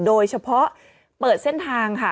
โดยเฉพาะเปิดเส้นทางค่ะ